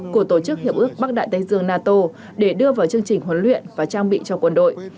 của tổ chức hiệp ước bắc đại tây dương nato để đưa vào chương trình huấn luyện và trang bị cho quân đội